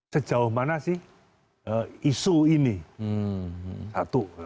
sejauh mana sih isu ini satu